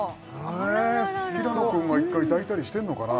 え平野君が１回抱いたりしてんのかな？